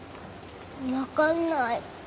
分かんない。